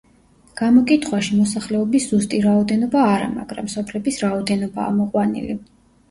გამოკითხვაში მოსახლეობის ზუსტი რაოდენობა არა, მაგრამ სოფლების რაოდენობაა მოყვანილი.